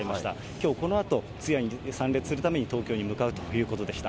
きょうこのあと通夜に参列するために東京に向かうということでし